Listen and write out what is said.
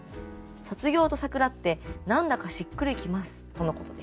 卒業と桜って何だかしっくりきます」とのことです。